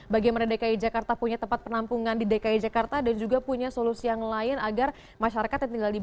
bagaimana dki jakarta punya tempat penampungan di dki jakarta dan juga punya solusi yang lain agar masyarakat yang tinggal di